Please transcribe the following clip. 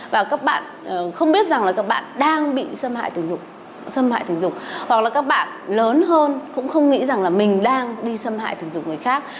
và các bạn không biết rằng là các bạn đang bị xâm hại tình dục hoặc là các bạn lớn hơn cũng không nghĩ rằng là mình đang đi xâm hại tình dục người khác